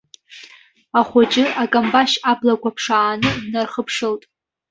Ахәыҷы акамбашь аблақәа ԥшааны днархыԥшылт.